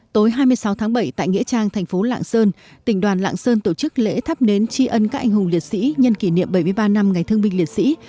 tối hai mươi sáu tháng bảy tại nghĩa trang thành phố lạng sơn tỉnh đoàn lạng sơn tổ chức lễ thắp nến tri ân các anh hùng liệt sĩ nhân kỷ niệm bảy mươi ba năm ngày thương binh liệt sĩ